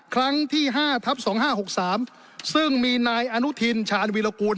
ครั้งที่๕ทับ๒๕๖๓ซึ่งมีนายอนุทินชาญวีรกูล